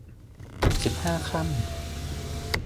สิบห้าค่ำ